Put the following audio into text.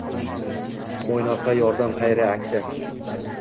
“Mo‘ynoqqa yordam” xayriya aksiyasi